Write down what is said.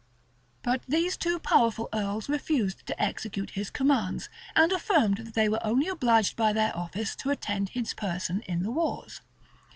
But these two powerful earls refused to execute his commands, and affirmed that they were only obliged by their office to attend his person in the wars.